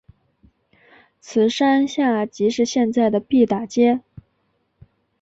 此山下即是现在的毕打街。